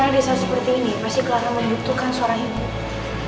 karena di saat seperti ini pasti kelar yang menghidupkan suara hidup